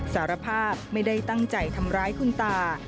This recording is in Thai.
สารภาพไม่ได้ตั้งใจทำร้ายคุณตา